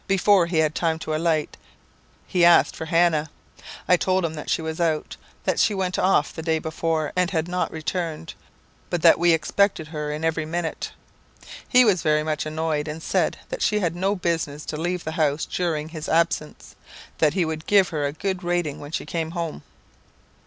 Before he had time to alight, he asked for Hannah. I told him that she was out, that she went off the day before, and had not returned, but that we expected her in every minute. "He was very much annoyed, and said that she had no business to leave the house during his absence, that he would give her a good rating when she came home.